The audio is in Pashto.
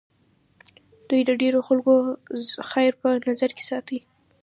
دوی د ډېرو خلکو خیر په نظر کې ساتي.